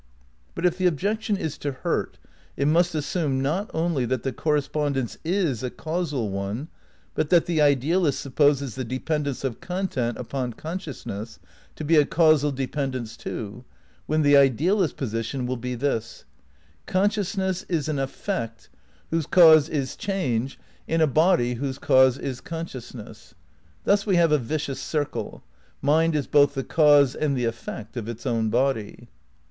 But if the objection is to hurt, it must assume, not only that the correspondence is a causal one, but that the idealist supposes the dependence of content upon consciousness to be a causal dependence too, when the idealist position will be this : Consciousness is an effect ' studies in Neurology : Sensation and the Cerebral Cortex. VIII RECONSTRUCTION OF IDEALISM 263 whose cause is change in a body whose cause is oon sciousness. Thus we have a vicious circle. Mind is both the cause and the effect of its own body.